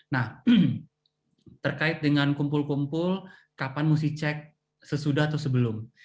nah terkait dengan kumpul kumpul kapan mesti cek sesudah atau sebelum